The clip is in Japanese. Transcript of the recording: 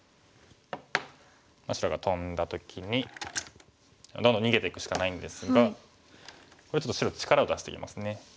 白がトンだ時にどんどん逃げていくしかないんですがここでちょっと白力を出してきますね。